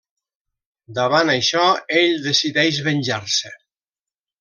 Davant això ell decideix venjar-se.